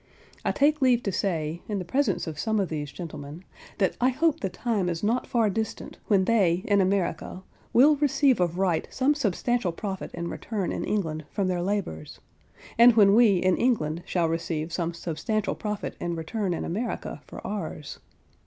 I take leave to say, in the presence of some of those gentleman, that I hope the time is not far distant when they, in America, will receive of right some substantial profit and return in England from their labours; and when we, in England, shall receive some substantial profit and return in America for ours.